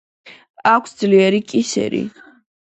აქვთ ძლიერი კისერი.